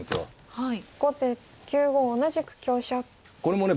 はい。